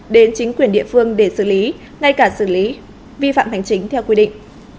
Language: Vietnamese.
đến chính quyền địa phương để xử lý ngay cả xử lý vi phạm hành chính theo quy định